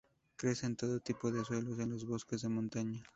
Crece en todo tipo de suelos, en los bosques de montaña.